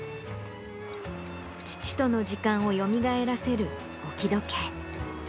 父との時間をよみがえらせる置時計。